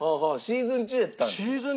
シーズン中だったの。